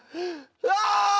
「うわ！」。